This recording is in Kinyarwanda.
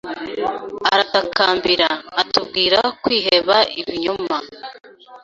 Aratakambira, atubwira kwiheba ibinyoma ...